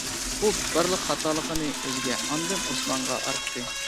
ئۇ بارلىق خاتالىقنى ئۆزىگە ئاندىن ئوسمانغا ئارتتى.